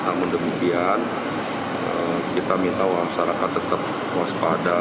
namun demikian kita minta wawasan akan tetap waspada